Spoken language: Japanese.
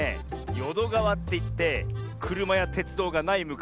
よどがわっていってくるまやてつどうがないむかしはね